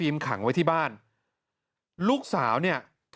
หัวดูลาย